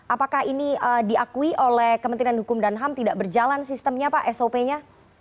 apakah ini diakui oleh kementerian hukum dan ham tidak berjalan sistemnya pak sop nya